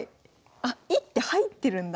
あっ１手入ってるんだ。